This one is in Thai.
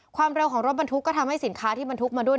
ความเร็วของรถบรรทุกก็ทำให้สินค้าที่บรรทุกมาด้วย